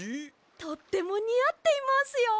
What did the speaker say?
とってもにあっていますよ！